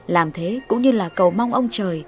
làm thế cũng như là cầu mong ông trời